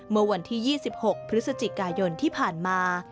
เมื่อวันที่๒๖พฤศจิกายนที่ผ่านมา